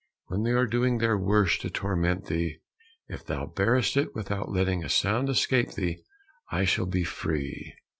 When they are doing their worst to torment thee, if thou bearest it without letting a sound escape thee, I shall be free.